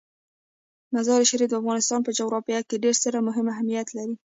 مزارشریف د افغانستان په جغرافیه کې ډیر ستر او مهم اهمیت لري.